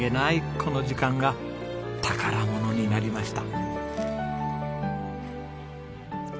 この時間が宝物になりました。